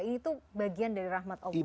itu bagian dari rahmat allah